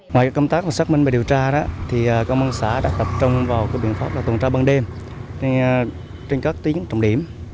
ngoài công tác xác minh và điều tra công an xã đã tập trung vào biện pháp tuần tra ban đêm trên các tuyến trọng điểm